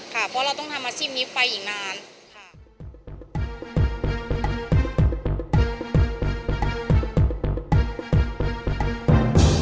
เพราะเราต้องทำอาชีพนี้ไปอีกนานค่ะ